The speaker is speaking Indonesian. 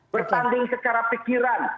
bertanding secara pikiran